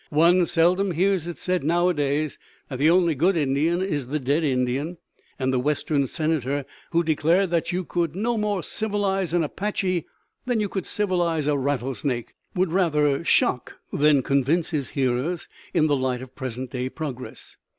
One seldom hears it said nowadays that "the only good Indian is the dead Indian," and the Western Senator who declared that "you could no more civilize an Apache than you could civilize a rattlesnake" would rather shock than convince his hearers in the light of present day progress.